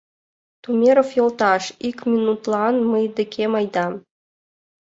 Тумеров йолташ, ик минутлан мый декем айда.